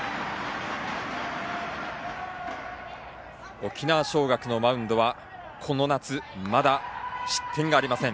沖縄尚学のマウンドはこの夏、まだ失点がありません。